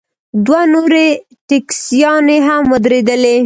دوه نورې ټیکسیانې هم ودرېدلې.